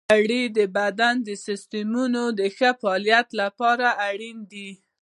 غوړې د بدن د سیستمونو د ښه فعالیت لپاره اړینې دي.